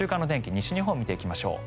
西日本を見ていきましょう。